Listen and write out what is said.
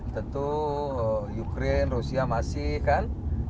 tentu ukraine rusia masih kan